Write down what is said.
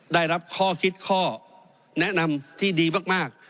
ได้รับข้อคิดข้อแนะนำที่ดีมาก